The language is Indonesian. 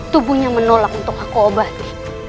tubuhnya menolak untuk aku obati